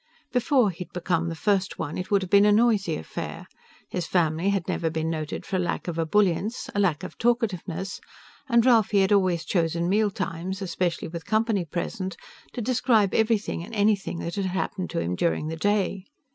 Before he'd become the First One, it would have been a noisy affair. His family had never been noted for a lack of ebullience, a lack of talkativeness, and Ralphie had always chosen mealtimes especially with company present to describe everything and anything that had happened to him during the day.